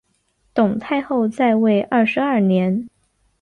董太后在位二十二年。